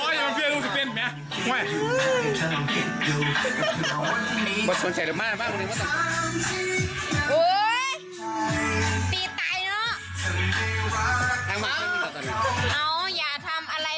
นั่นเดิมบอกให้เกียรติผู้หญิงเลย